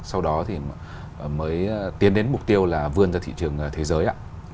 sau đó thì mới tiến đến mục tiêu là vươn ra thị trường thế giới ạ